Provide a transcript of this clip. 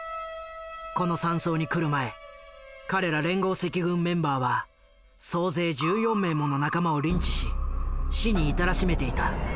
この山荘に来る前彼ら連合赤軍メンバーは総勢１４名もの仲間をリンチし死に至らしめていた。